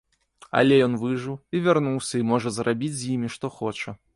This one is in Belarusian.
Але ён выжыў і вярнуўся і можа зрабіць з імі што хоча.